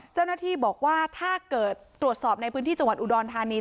เจ้าหน้าที่บอกว่าถ้าเกิดตรวจสอบในพื้นที่จังหวัดอุดรธานี